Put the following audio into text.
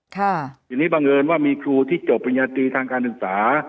ทีนี้บังเอิญว่ามีครูที่จบปริญญาตรีทางการศึกษา